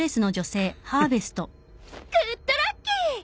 グッドラッキー！